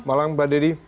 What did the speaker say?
malam mbak deddy